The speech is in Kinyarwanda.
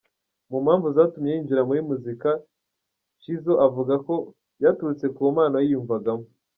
Mu mpamvu zatumye yinjira muri muzika , Nshizo avuga ko byaturutse ku mpano yiyumvagamo.